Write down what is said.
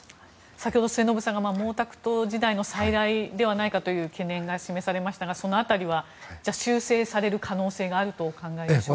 先ほど、末延さんが毛沢東時代の再来ではないかと懸念が示されましたがその辺りは修正される可能性があるとお考えでしょうか？